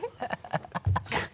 ハハハ